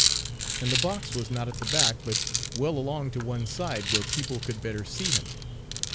And the box was not at the back, but well along to one side, where people could better see him.